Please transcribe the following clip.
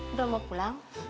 udah mau pulang